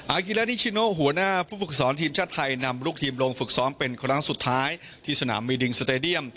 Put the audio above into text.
กิลานิชิโนหัวหน้าผู้ฝึกสอนทีมชาติไทยนำลูกทีมลงฝึกซ้อมเป็นครั้งสุดท้ายที่สนามมีดิงสเตดียม